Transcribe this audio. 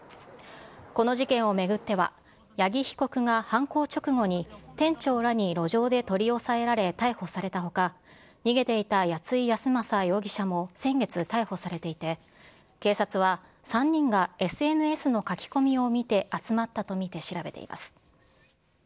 この事件を巡っては、八木被告が犯行直後に、店長らに路上で取り押さえられ、逮捕されたほか、逃げていた谷井やすまさ容疑者も先月逮捕されていて、警察は３人がＳＮＳの書き込みを見て集まったと見て調べています。